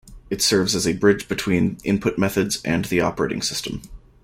It serves as a bridge between input methods and the operating system.